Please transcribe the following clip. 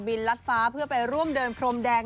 ลัดฟ้าเพื่อไปร่วมเดินพรมแดง